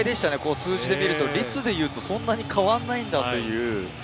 数字で見ると、率でいうと、そんなに変わんないんだという。